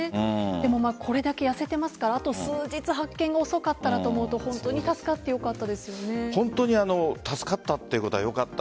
でも、これだけやせていますからあと数日発見が遅かったらと思うと本当に助かったのはよかった。